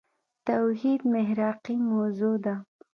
توحيد محراقي موضوع ده.